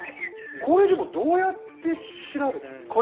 これでもどうやって調べたんですか？